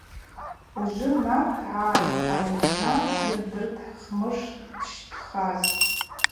Ужвы нартргӏа айззан, йырдыртӏ Хмыш дшщхаз.